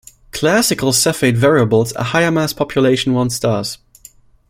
Classical Cepheid variables are higher mass population I stars.